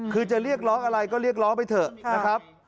คือจะเรียกร้องอะไรก็เรียกร้องไปเถอะนะครับ